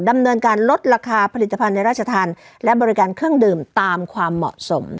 ดำเนินการลดราคาผลิตภัณฑ์ในราชธรรมและบริการเครื่องดื่มตามความเหมาะสม